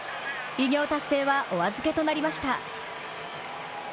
偉業達成はお預けとなりました。